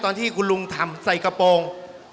ตอนที่คุณลุงทำใส่กระโปรง